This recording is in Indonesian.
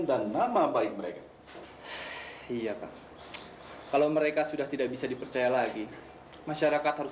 dan nama baik mereka iya pak kalau mereka sudah tidak bisa dipercaya lagi masyarakat harus